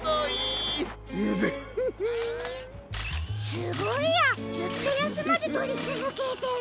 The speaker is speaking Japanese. すごいやずっとやすまずとりつづけてる。